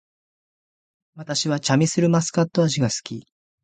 私はチャミスルマスカット味が好き